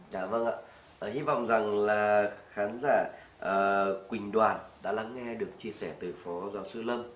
dạ vâng ạ hy vọng rằng là khán giả quỳnh đoàn đã lắng nghe được chia sẻ từ phó giáo sư lâm